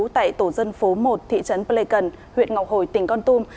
tại tổ dân phố một thị trấn pleikon huyện ngọc hồi tỉnh con tum